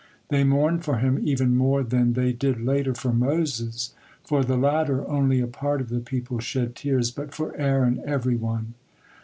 They mourned for him even more than they did later for Moses; for the latter only a part of the people shed tears, but for Aaron, everyone.